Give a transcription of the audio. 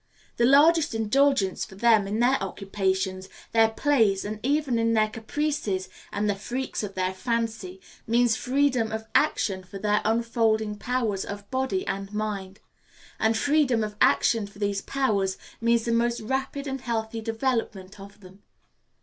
The largest indulgence for them in their occupations, their plays, and even in their caprices and the freaks of their fancy, means freedom of action for their unfolding powers of body and mind; and freedom of action for these powers means the most rapid and healthy development of them.